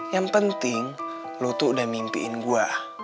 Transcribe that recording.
yang penting lu tuh udah mimpiin gue